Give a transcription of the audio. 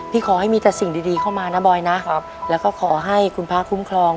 ขอให้มีแต่สิ่งดีเข้ามานะบอยนะแล้วก็ขอให้คุณพระคุ้มครอง